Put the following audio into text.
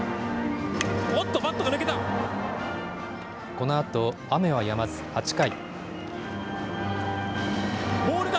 このあと、雨はやまず８回。